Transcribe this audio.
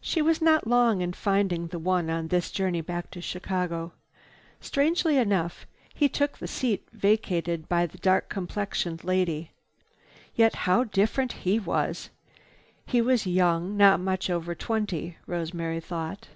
She was not long in finding the "one" on this journey back to Chicago. Strangely enough, he took the seat vacated by the dark complexioned lady. Yet, how different he was! He was young, not much over twenty, Rosemary thought.